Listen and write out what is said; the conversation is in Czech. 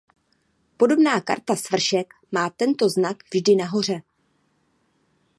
Podobná karta Svršek má tento znak vždy nahoře.